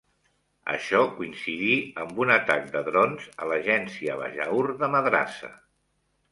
Això coincidí amb un atac de drons a l'Agència Bajaur de Madrassa.